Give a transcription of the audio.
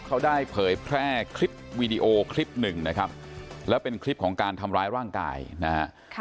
เขาได้เผยแพร่คลิปวีดีโอคลิปหนึ่งนะครับแล้วเป็นคลิปของการทำร้ายร่างกายนะฮะ